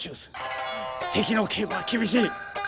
敵の警護は厳しい。